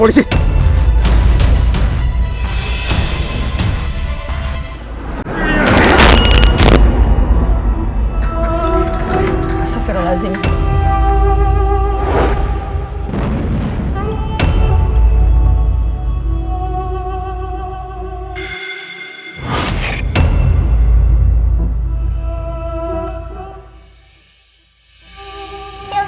untuk memberikan kesaksian